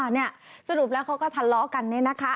นี่สรุปแล้วเขาก็ทะเลาะกัน